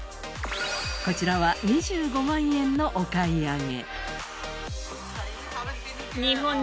こちらは２５万円のお買い上げ。